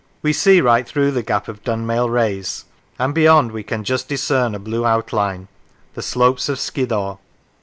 We see right through the gap of Dunmail Raise, and beyond we can just discern a blue outline the slopes of Skiddaw.